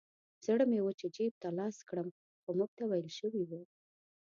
زړه مې و چې جیب ته لاس کړم خو موږ ته ویل شوي وو.